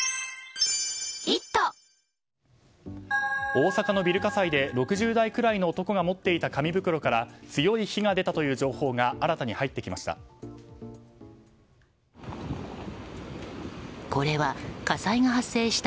大阪のビル火災で６０代くらいの男が持っていた紙袋から強い火が出たという情報が新たに入ってきました。